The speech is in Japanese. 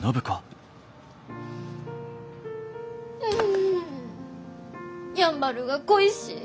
んやんばるが恋しい。